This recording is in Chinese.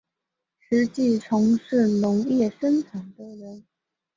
实际从事农业生产的人